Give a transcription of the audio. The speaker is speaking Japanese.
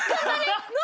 何？